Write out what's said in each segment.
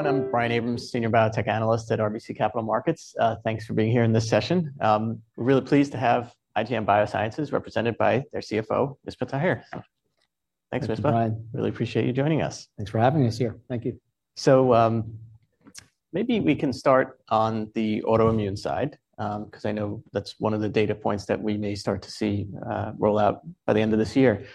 Everyone, I'm Brian Abrahams, Senior Biotech Analyst at RBC Capital Markets. Thanks for being here in this session. We're really pleased to have IGM Biosciences, represented by their CFO, Misbah Tahir. Thanks, Misbah. Thanks, Brian. Really appreciate you joining us. Thanks for having us here. Thank you. So, maybe we can start on the autoimmune side, 'cause I know that's one of the data points that we may start to see roll out by the end of this year.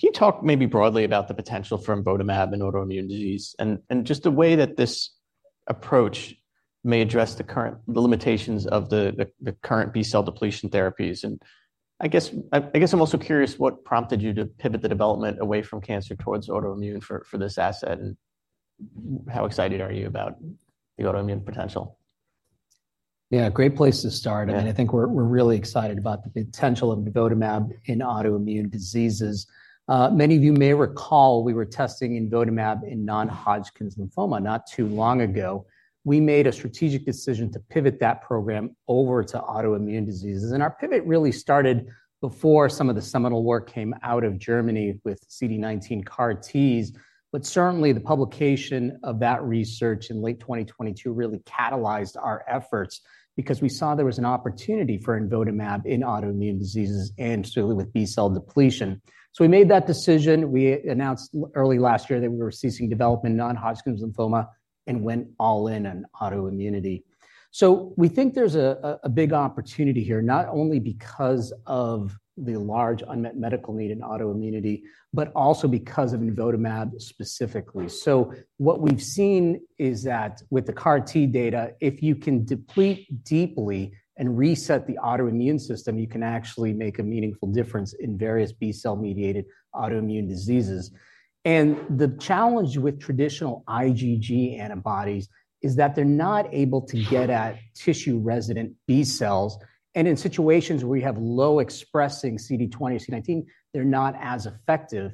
Can you talk maybe broadly about the potential for imvotamab in autoimmune disease, and just the way that this approach may address the limitations of the current B-cell depletion therapies? And I guess, I'm also curious what prompted you to pivot the development away from cancer towards autoimmune for this asset, and how excited are you about the autoimmune potential? Yeah, great place to start. Yeah. I think we're, we're really excited about the potential of imvotamab in autoimmune diseases. Many of you may recall we were testing imvotamab in non-Hodgkin's lymphoma not too long ago. We made a strategic decision to pivot that program over to autoimmune diseases, and our pivot really started before some of the seminal work came out of Germany with CD19 CAR-Ts. But certainly, the publication of that research in late 2022 really catalyzed our efforts, because we saw there was an opportunity for imvotamab in autoimmune diseases and certainly with B-cell depletion. So we made that decision. We announced early last year that we were ceasing development in non-Hodgkin's lymphoma and went all in on autoimmunity. So we think there's a big opportunity here, not only because of the large unmet medical need in autoimmunity, but also because of imvotamab specifically. So what we've seen is that with the CAR-T data, if you can deplete deeply and reset the autoimmune system, you can actually make a meaningful difference in various B-cell-mediated autoimmune diseases. And the challenge with traditional IgG antibodies is that they're not able to get at tissue-resident B cells, and in situations where we have low-expressing CD20, CD19, they're not as effective.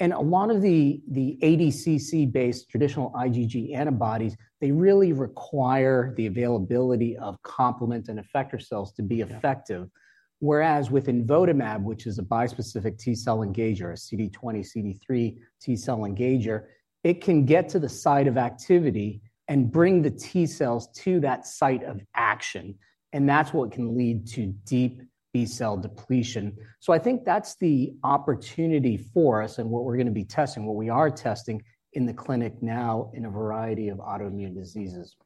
And a lot of the ADCC-based traditional IgG antibodies, they really require the availability of complement and effector cells to be effective. Whereas with imvotamab, which is a bispecific T-cell engager, a CD20, CD3 T-cell engager, it can get to the site of activity and bring the T-cells to that site of action, and that's what can lead to deep B-cell depletion. So I think that's the opportunity for us and what we're going to be testing, what we are testing in the clinic now in a variety of autoimmune diseases.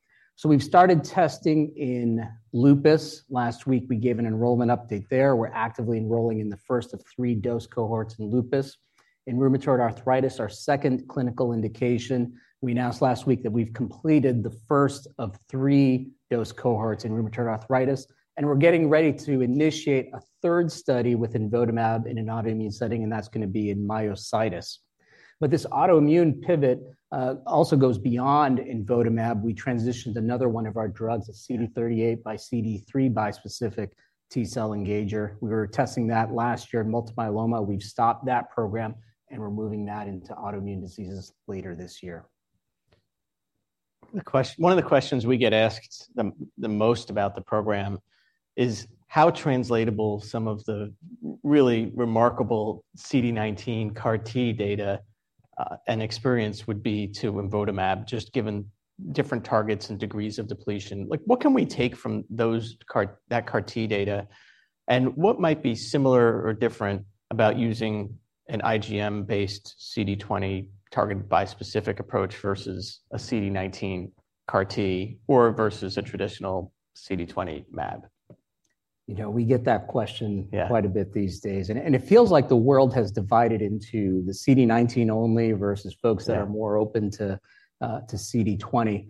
We've started testing in Lupus. Last week, we gave an enrollment update there. We're actively enrolling in the first of three dose cohorts in Lupus. In rheumatoid arthritis, our second clinical indication, we announced last week that we've completed the first of three dose cohorts in rheumatoid arthritis, and we're getting ready to initiate a third study with imvotamab in an autoimmune setting, and that's going to be in Myositis. But this autoimmune pivot also goes beyond imvotamab. We transitioned another one of our drugs, a CD38 x CD3 bispecific T-cell engager. We were testing that last year in multiple myeloma. We've stopped that program, and we're moving that into autoimmune diseases later this year. One of the questions we get asked the most about the program is how translatable some of the really remarkable CD19 CAR-T data and experience would be to imvotamab, just given different targets and degrees of depletion. Like, what can we take from that CAR-T data, and what might be similar or different about using an IgM-based CD20-targeted bispecific approach versus a CD19 CAR-T or versus a traditional CD20 mAb? You know, we get that question. Yeah Quite a bit these days, and it feels like the world has divided into the CD19 only versus folks. Yeah - that are more open to, to CD20.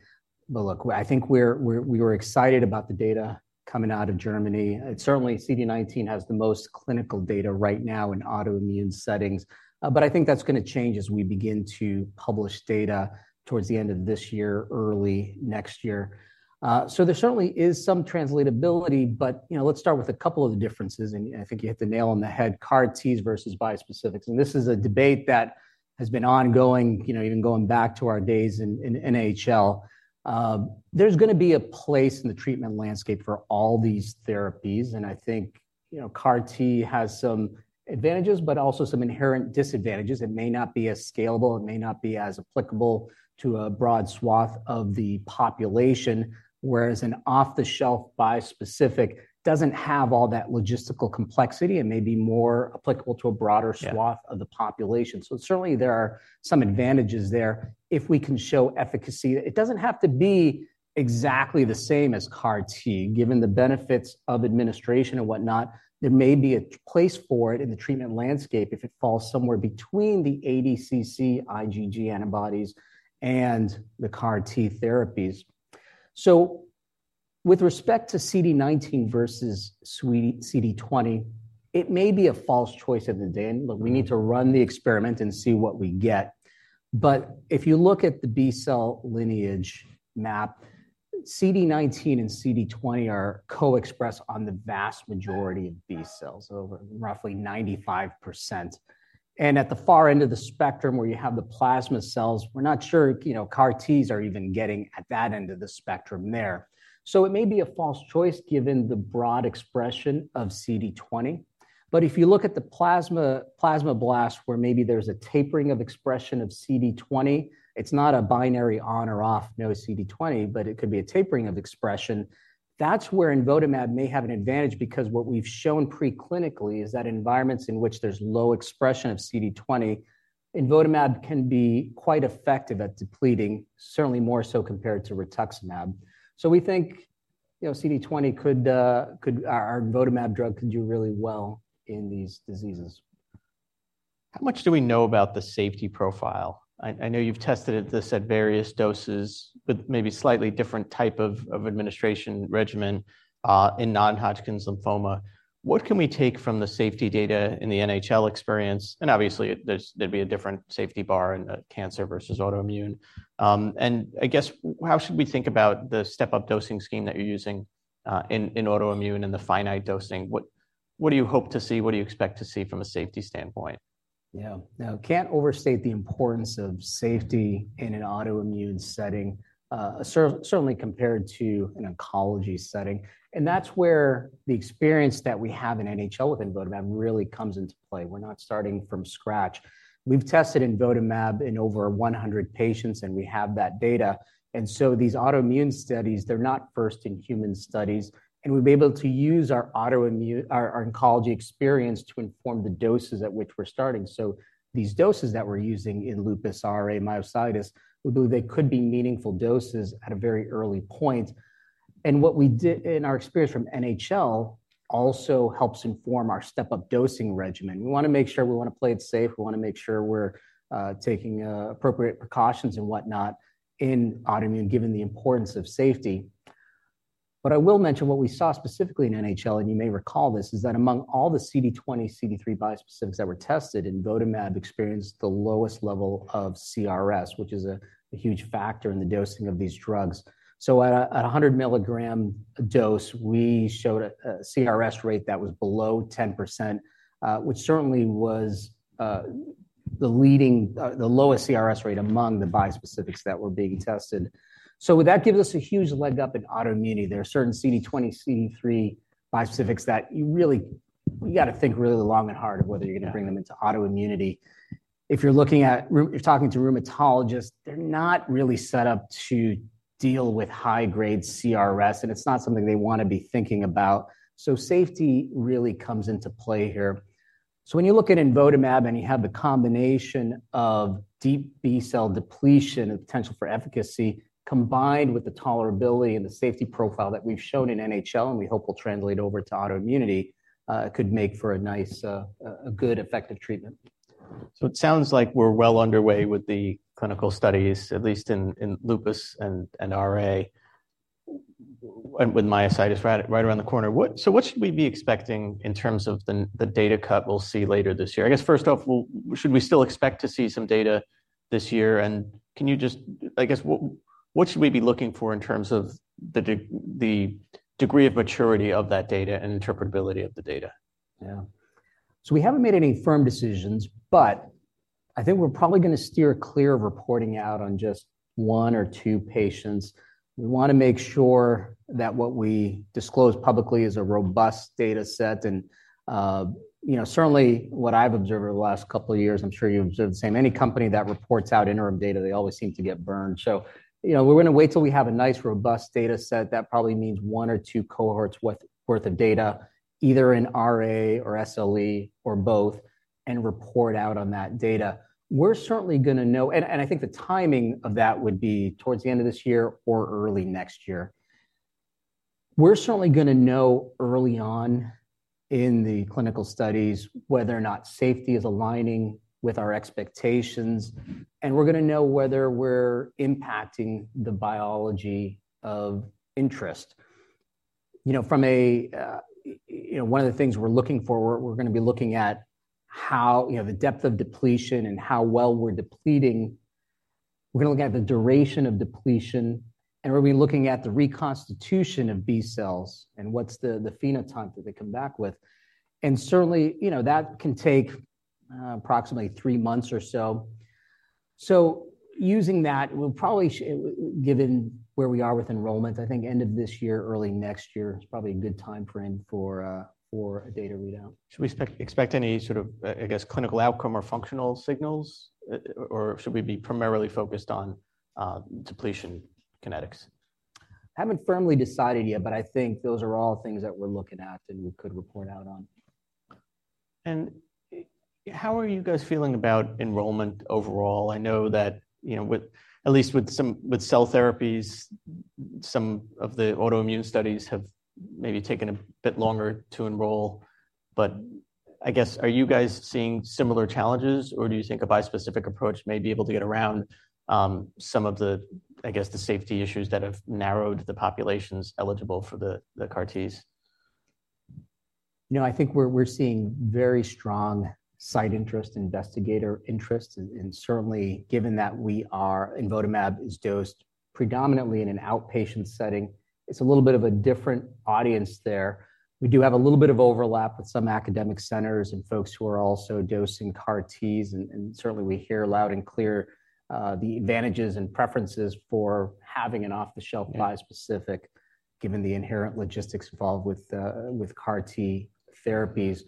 But look, I think we're, we were excited about the data coming out of Germany. Certainly, CD19 has the most clinical data right now in autoimmune settings, but I think that's going to change as we begin to publish data towards the end of this year, early next year. So there certainly is some translatability, but you know, let's start with a couple of the differences, and I think you hit the nail on the head, CAR-Ts versus bispecifics. And this is a debate that has been ongoing, you know, even going back to our days in NHL. There's going to be a place in the treatment landscape for all these therapies, and I think, you know, CAR-T has some advantages, but also some inherent disadvantages. It may not be as scalable, it may not be as applicable to a broad swath of the population, whereas an off-the-shelf bispecific doesn't have all that logistical complexity and may be more applicable to a broader swath- Yeah of the population. So certainly, there are some advantages there if we can show efficacy. It doesn't have to be exactly the same as CAR-T, given the benefits of administration and whatnot. There may be a place for it in the treatment landscape if it falls somewhere between the ADCC IgG antibodies and the CAR-T therapies. So with respect to CD19 versus CD20, it may be a false choice at the end. Mm-hmm. Look, we need to run the experiment and see what we get. But if you look at the B-cell lineage map, CD19 and CD20 are co-expressed on the vast majority of B cells, over roughly 95%. And at the far end of the spectrum, where you have the plasma cells, we're not sure, you know, CAR-Ts are even getting at that end of the spectrum there. So it may be a false choice, given the broad expression of CD20. But if you look at the plasmablast, where maybe there's a tapering of expression of CD20, it's not a binary on or off, no CD20, but it could be a tapering of expression. That's where imvotamab may have an advantage because what we've shown preclinically is that in environments in which there's low expression of CD20. Imvotamab can be quite effective at depleting, certainly more so compared to rituximab. So we think, you know, CD20 could, our imvotamab drug could do really well in these diseases. How much do we know about the safety profile? I know you've tested it, this at various doses, but maybe slightly different type of administration regimen in Non-Hodgkin's lymphoma. What can we take from the safety data in the NHL experience? And obviously, there's, there'd be a different safety bar in a cancer versus autoimmune. And I guess, how should we think about the step-up dosing scheme that you're using in autoimmune and the finite dosing? What do you hope to see? What do you expect to see from a safety standpoint? Yeah. Now, can't overstate the importance of safety in an autoimmune setting, certainly compared to an oncology setting. And that's where the experience that we have in NHL with imvotamab really comes into play. We're not starting from scratch. We've tested imvotamab in over 100 patients, and we have that data. And so these autoimmune studies, they're not first in human studies, and we've been able to use our oncology experience to inform the doses at which we're starting. So these doses that we're using in Lupus, RA, Myositis, we believe they could be meaningful doses at a very early point. And what we did in our experience from NHL also helps inform our step-up dosing regimen. We wanna make sure we play it safe. We wanna make sure we're taking appropriate precautions and whatnot in autoimmune, given the importance of safety. But I will mention what we saw specifically in NHL, and you may recall this, is that among all the CD20, CD3 bispecifics that were tested, imvotamab experienced the lowest level of CRS, which is a huge factor in the dosing of these drugs. So at a 100-milligram dose, we showed a CRS rate that was below 10%, which certainly was the lowest CRS rate among the bispecifics that were being tested. So that gives us a huge leg up in autoimmunity. There are certain CD20, CD3 bispecifics that you really, you gotta think really long and hard of whether you're gonna bring them into autoimmunity. If you're talking to rheumatologists, they're not really set up to deal with high-grade CRS, and it's not something they wanna be thinking about. So safety really comes into play here. So when you look at imvotamab, and you have the combination of deep B-cell depletion and potential for efficacy, combined with the tolerability and the safety profile that we've shown in NHL, and we hope will translate over to autoimmunity, could make for a nice, good, effective treatment. So it sounds like we're well underway with the clinical studies, at least in lupus and RA, and with myositis right around the corner. So what should we be expecting in terms of the data cut we'll see later this year? I guess, first off, should we still expect to see some data this year? And can you just I guess, what should we be looking for in terms of the degree of maturity of that data and interpretability of the data? Yeah. So we haven't made any firm decisions, but I think we're probably gonna steer clear of reporting out on just one or two patients. We wanna make sure that what we disclose publicly is a robust data set. And, you know, certainly what I've observed over the last couple of years, I'm sure you've observed the same, any company that reports out interim data, they always seem to get burned. So you know, we're gonna wait till we have a nice, robust data set. That probably means one or two cohorts worth, worth of data, either in RA or SLE or both, and report out on that data. We're certainly gonna know, and, and I think the timing of that would be towards the end of this year or early next year. We're certainly gonna know early on in the clinical studies whether or not safety is aligning with our expectations, and we're gonna know whether we're impacting the biology of interest. You know, from a, one of the things we're looking for, we're gonna be looking at how the depth of depletion and how well we're depleting. We're gonna look at the duration of depletion, and we'll be looking at the reconstitution of B cells and what's the phenotype that they come back with. And certainly, you know, that can take approximately three months or so. So using that, we'll probably given where we are with enrollment, I think end of this year, early next year, is probably a good timeframe for a data readout. Should we expect any sort of, I guess, clinical outcome or functional signals, or should we be primarily focused on depletion kinetics? Haven't firmly decided yet, but I think those are all things that we're looking at and we could report out on. How are you guys feeling about enrollment overall? I know that, you know, with, at least with some, with cell therapies, some of the autoimmune studies have maybe taken a bit longer to enroll. But I guess, are you guys seeing similar challenges, or do you think a bispecific approach may be able to get around, some of the, I guess, the safety issues that have narrowed the populations eligible for the, the CAR-Ts? You know, I think we're seeing very strong site interest, investigator interest, and certainly, given that we are, imvotamab is dosed predominantly in an outpatient setting, it's a little bit of a different audience there. We do have a little bit of overlap with some academic centers and folks who are also dosing CAR-Ts, and certainly, we hear loud and clear, the advantages and preferences for having an off-the-shelf. Yeah Bispecific, given the inherent logistics involved with CAR-T therapies.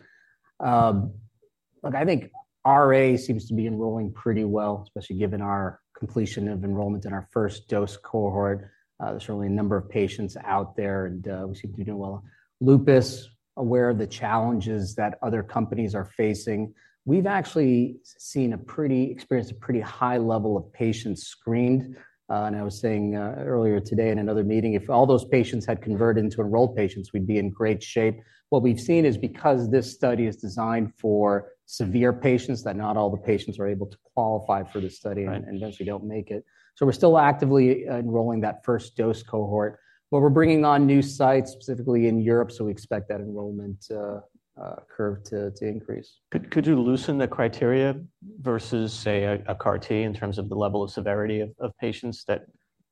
Look, I think RA seems to be enrolling pretty well, especially given our completion of enrollment in our first dose cohort. There's certainly a number of patients out there, and we seem to be doing well. Lupus, aware of the challenges that other companies are facing. We've actually experienced a pretty high level of patients screened. And I was saying earlier today in another meeting, if all those patients had converted into enrolled patients, we'd be in great shape. What we've seen is because this study is designed for severe patients, that not all the patients are able to qualify for the study. Right. and eventually don't make it. So we're still actively enrolling that first dose cohort, but we're bringing on new sites, specifically in Europe, so we expect that enrollment curve to increase. Could you loosen the criteria versus, say, a CAR-T in terms of the level of severity of patients that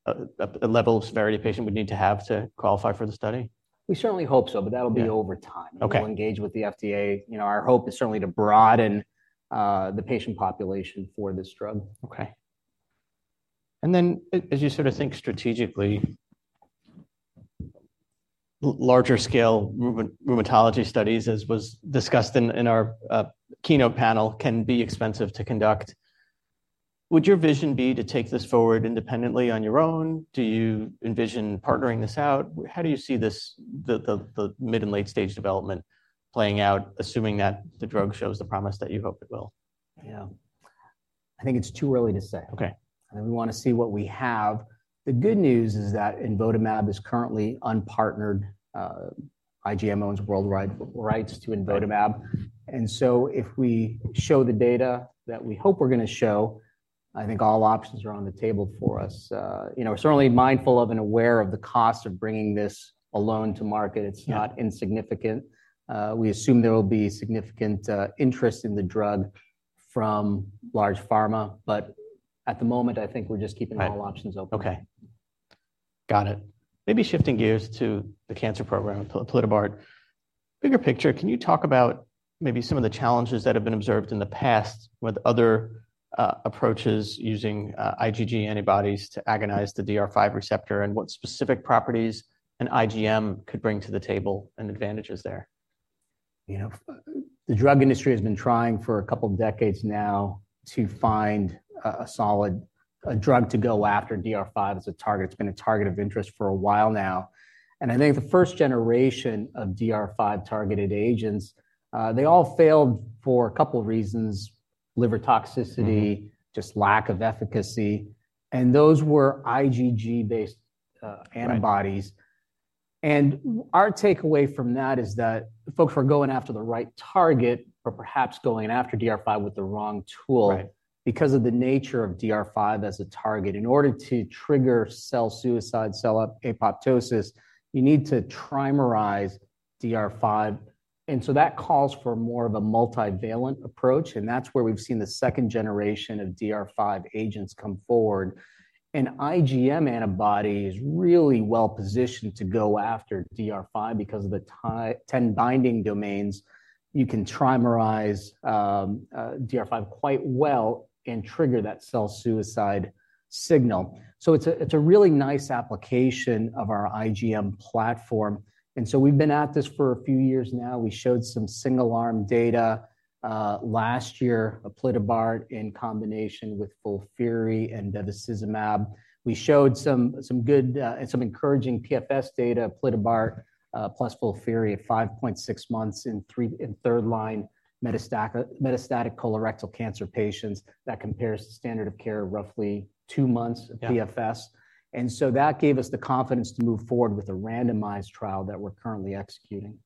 a level of severity a patient would need to have to qualify for the study? We certainly hope so, but that'll be. Yeah. Over time. Okay. We'll engage with the FDA. You know, our hope is certainly to broaden the patient population for this drug. Okay. And then as you sort of think strategically, larger scale rheumatology studies, as was discussed in our keynote panel, can be expensive to conduct. Would your vision be to take this forward independently on your own? Do you envision partnering this out? How do you see this, the mid and late-stage development playing out, assuming that the drug shows the promise that you hope it will? Yeah. I think it's too early to say. Okay. We want to see what we have. The good news is that imvotamab is currently unpartnered. IgM owns worldwide rights to imvotamab. Right. And so if we show the data that we hope we're going to show, I think all options are on the table for us. You know, we're certainly mindful of and aware of the cost of bringing this alone to market. Yeah. It's not insignificant. We assume there will be significant interest in the drug from large pharma, but at the moment, I think we're just keeping- Right All options open. Okay. Got it. Maybe shifting gears to the cancer program, aplidabart. Bigger picture, can you talk about maybe some of the challenges that have been observed in the past with other approaches using IgG antibodies to agonize the DR5 receptor, and what specific properties an IgM could bring to the table and advantages there? You know, the drug industry has been trying for a couple of decades now to find a solid drug to go after DR5 as a target. It's been a target of interest for a while now, and I think the first generation of DR5-targeted agents they all failed for a couple reasons: liver toxicity. Mm-hmm. just lack of efficacy, and those were IgG-based antibodies. Right. Our takeaway from that is that folks were going after the right target, but perhaps going after DR5 with the wrong tool. Right. Because of the nature of DR5 as a target, in order to trigger cell suicide, cell apoptosis, you need to trimerize DR5, and so that calls for more of a multivalent approach, and that's where we've seen the second generation of DR5 agents come forward. An IgM antibody is really well positioned to go after DR5 because of the ten binding domains. You can trimerize DR5 quite well and trigger that cell suicide signal. So it's a really nice application of our IgM platform, and so we've been at this for a few years now. We showed some single-arm data last year of aplidabart in combination with FOLFIRI and bevacizumab. We showed some good and some encouraging PFS data, aplidabart plus FOLFIRI at 5.6 months in third-line metastatic colorectal cancer patients. That compares to standard of care, roughly two months. Yeah. PFS. And so that gave us the confidence to move forward with a randomized trial that we're currently executing.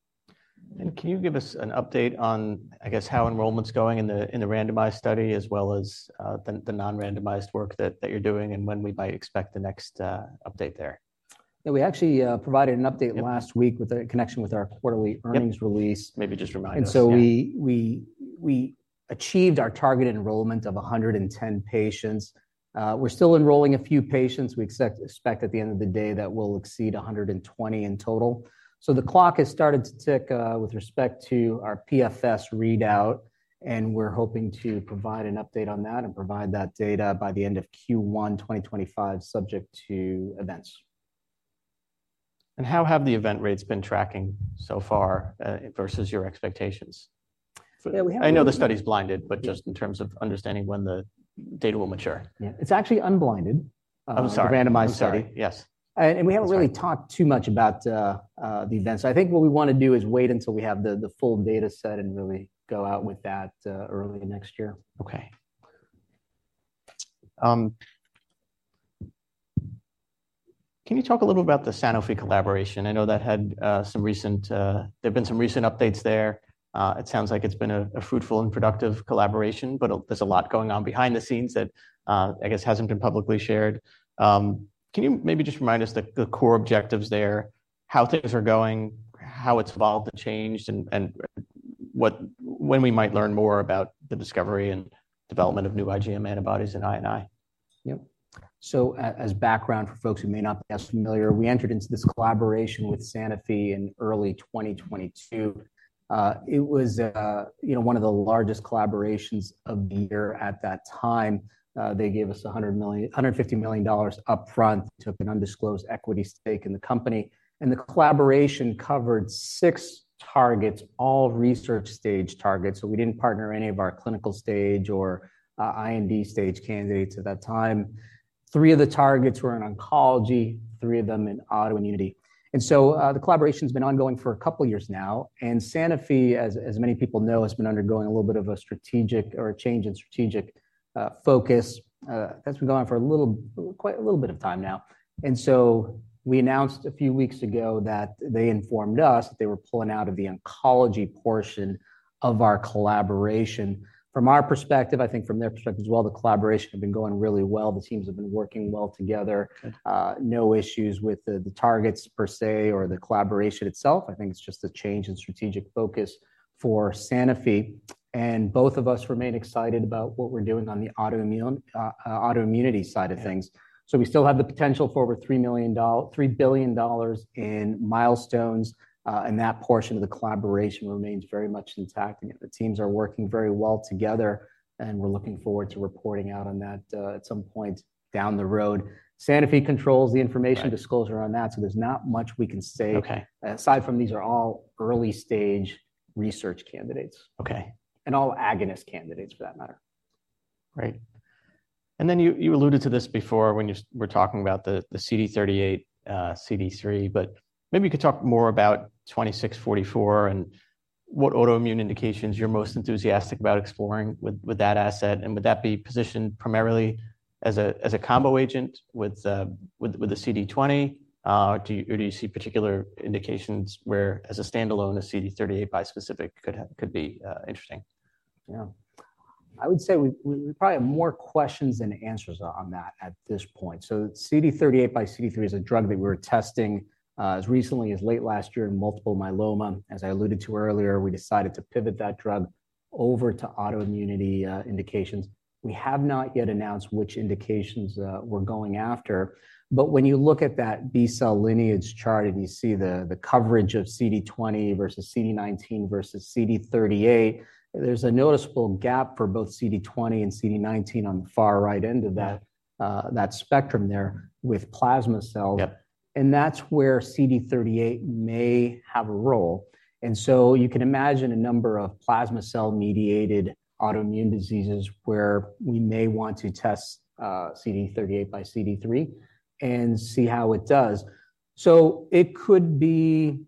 Can you give us an update on, I guess, how enrollment's going in the randomized study, as well as the non-randomized work that you're doing, and when we might expect the next update there? Yeah, we actually provided an update. Yeah Last week in connection with our quarterly earnings release. Yep. Maybe just remind us, yeah. And so we achieved our targeted enrollment of 110 patients. We're still enrolling a few patients. We expect at the end of the day that we'll exceed 120 in total. So the clock has started to tick with respect to our PFS readout, and we're hoping to provide an update on that and provide that data by the end of Q1 2025, subject to events. How have the event rates been tracking so far, versus your expectations? Yeah, we have. I know the study's blinded, but just in terms of understanding when the data will mature. Yeah. It's actually unblinded, I'm sorry The randomized study. I'm sorry. Yes. We haven't really. I'm sorry Talked too much about the events. I think what we want to do is wait until we have the full data set and really go out with that, early next year. Okay. Can you talk a little about the Sanofi collaboration? I know that had some recent, there have been some recent updates there. It sounds like it's been a fruitful and productive collaboration, but there's a lot going on behind the scenes that I guess hasn't been publicly shared. Can you maybe just remind us the core objectives there, how things are going, how it's evolved and changed, and what, when we might learn more about the discovery and development of new IgM antibodies in I&I? Yep. So, as background for folks who may not be as familiar, we entered into this collaboration with Sanofi in early 2022. It was, you know, one of the largest collaborations of the year at that time. They gave us $100 million, $150 million dollars upfront, took an undisclosed equity stake in the company, and the collaboration covered 6 targets, all research stage targets. So we didn't partner any of our clinical stage or IND stage candidates at that time. 3 of the targets were in oncology, 3 of them in autoimmunity. So, the collaboration's been ongoing for a couple of years now, and Sanofi, as many people know, has been undergoing a little bit of a strategic or a change in strategic focus. That's been going on for a little, quite a little bit of time now. And so we announced a few weeks ago that they informed us that they were pulling out of the oncology portion of our collaboration. From our perspective, I think from their perspective as well, the collaboration has been going really well. The teams have been working well together. No issues with the targets per se, or the collaboration itself. I think it's just a change in strategic focus for Sanofi, and both of us remain excited about what we're doing on the autoimmune, autoimmunity side of things. So we still have the potential for over $3 billion in milestones, and that portion of the collaboration remains very much intact. The teams are working very well together, and we're looking forward to reporting out on that, at some point down the road. Sanofi controls the information. Right. disclosure on that, so there's not much we can say. Okay. Aside from these are all early-stage research candidates. Okay. All agonist candidates, for that matter. Great. And then you alluded to this before when you were talking about the CD38, CD3, but maybe you could talk more about 2644 and what autoimmune indications you're most enthusiastic about exploring with that asset, and would that be positioned primarily as a combo agent with the CD20? Or do you see particular indications where, as a standalone, a CD38 bispecific could be interesting? Yeah. I would say we probably have more questions than answers on that at this point. So CD38 x CD3 is a drug that we were testing as recently as late last year in multiple myeloma. As I alluded to earlier, we decided to pivot that drug over to autoimmunity indications. We have not yet announced which indications we're going after, but when you look at that B-cell lineage chart and you see the coverage of CD20 versus CD19 versus CD38, there's a noticeable gap for both CD20 and CD19 on the far right end of that. Yeah. that spectrum there with plasma cells. Yep. That's where CD38 may have a role. So you can imagine a number of plasma cell-mediated autoimmune diseases where we may want to test CD38 x CD3 and see how it does. So it could be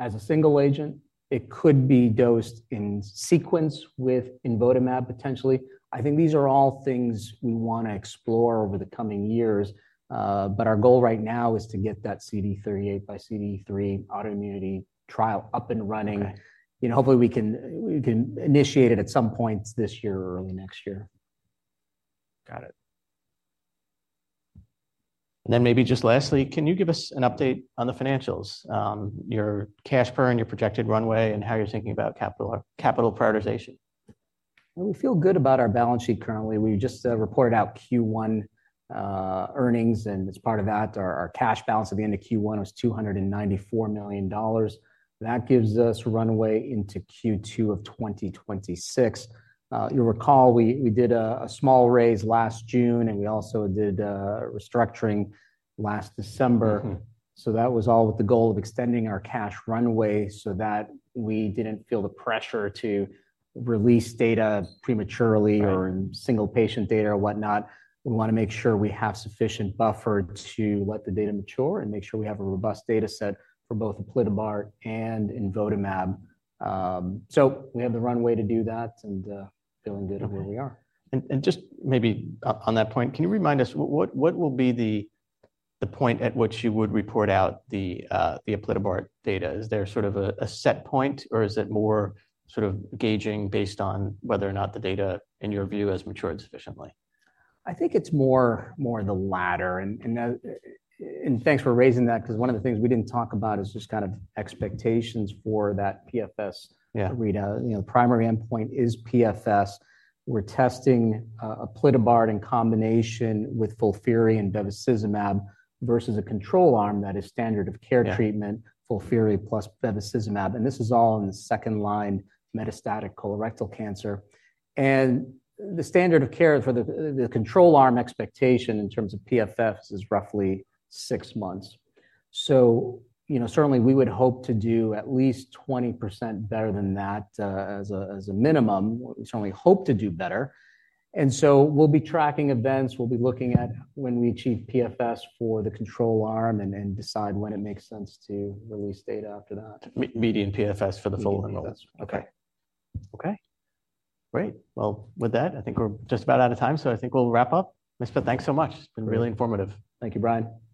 as a single agent, it could be dosed in sequence with imvotamab, potentially. I think these are all things we wanna explore over the coming years, but our goal right now is to get that CD38 x CD3 autoimmune trial up and running. Okay. You know, hopefully, we can, we can initiate it at some point this year or early next year. Got it. And then maybe just lastly, can you give us an update on the financials, your cash burn, your projected runway, and how you're thinking about capital, capital prioritization? We feel good about our balance sheet currently. We just reported out Q1 earnings, and as part of that, our cash balance at the end of Q1 was $294 million. That gives us runway into Q2 of 2026. You'll recall, we did a small raise last June, and we also did a restructuring last December. Mm-hmm. That was all with the goal of extending our cash runway so that we didn't feel the pressure to release data prematurely. Right. Or single patient data or whatnot. We wanna make sure we have sufficient buffer to let the data mature and make sure we have a robust data set for both aplidabart and imvotamab. So we have the runway to do that, and feeling good on where we are. Just maybe on that point, can you remind us what will be the point at which you would report out the aplidabart data? Is there sort of a set point, or is it more sort of gauging based on whether or not the data, in your view, has matured sufficiently? I think it's more the latter. Thanks for raising that, 'cause one of the things we didn't talk about is just kind of expectations for that PFS read. Yeah. You know, primary endpoint is PFS. We're testing aplidabart in combination with FOLFIRI and bevacizumab versus a control arm that is standard of care treatment- Yeah. FOLFIRI plus bevacizumab, and this is all in the second-line metastatic colorectal cancer. The standard of care for the control arm expectation in terms of PFS is roughly six months. So you know, certainly, we would hope to do at least 20% better than that, as a minimum. We certainly hope to do better. And so we'll be tracking events, we'll be looking at when we achieve PFS for the control arm and then decide when it makes sense to release data after that. Median PFS for the full enrollment. Median PFS. Okay. Okay, great. Well, with that, I think we're just about out of time, so I think we'll wrap up. Thanks so much. It's been really informative. Thank you, Brian.